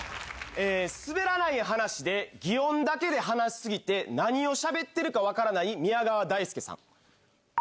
えー、すべらない話で擬音だけで話し過ぎて何をしゃべってるか分からない宮川大輔さん。